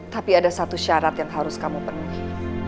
tapi ada satu syarat yang harus kamu penuhi